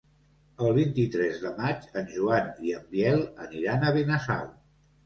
El vint-i-tres de maig en Joan i en Biel aniran a Benasau.